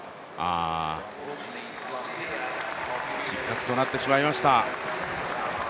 失格となってしまいました。